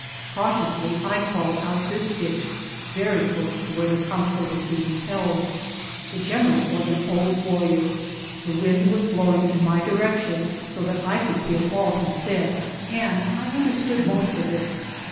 Cautiously I crawled out this ditch very close to where the council was being held. The general was an old warrior. The wind was blowing in my direction, so that I could hear all he said, and 1 1 understood most of it.